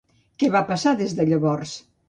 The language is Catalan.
Què va passar des de llavors?